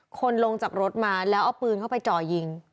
คนลงจากรถมาแล้วเอาปืนเข้าไปจ่อยิง